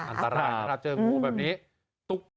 อันตรายครับเจองูแบบนี้ตุ๊ก